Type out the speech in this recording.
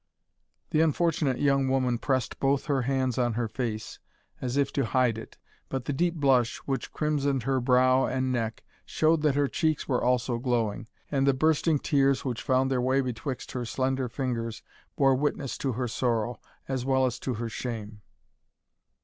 The unfortunate young woman pressed both her hands on her face, as if to hide it, but the deep blush which crimsoned her brow and neck, showed that her cheeks were also glowing; and the bursting tears, which found their way betwixt her slender fingers, bore witness to her sorrow, as well as to her shame.